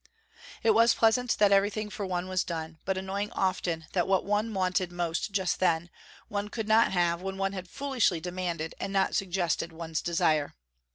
It was pleasant that everything for one was done, but annoying often that what one wanted most just then, one could not have when one had foolishly demanded and not suggested one's desire.